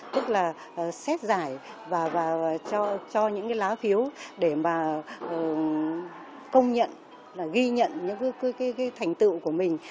tức là xét giải và cho những cái lá phiếu để mà công nhận là ghi nhận những thành tựu của mình